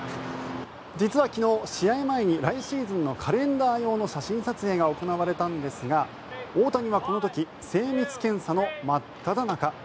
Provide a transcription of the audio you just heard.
実は昨日、試合前に来シーズンのカレンダー用の写真撮影が行われたんですが大谷はこの時精密検査の真っただ中。